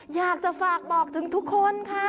อยากจะฝากบอกถึงทุกคนค่ะ